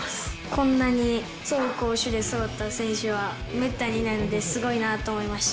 こんなに走攻守でそろった選手はめったにいないので、すごいなと思いました。